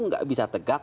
nggak bisa tegak